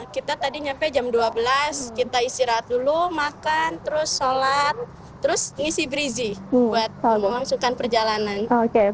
kita tadi nyampe jam dua belas kita istirahat dulu makan terus sholat terus ngisi brizi buat memasukkan perjalanan